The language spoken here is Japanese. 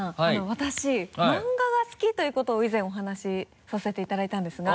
私漫画が好きということを以前お話させていただいたんですが。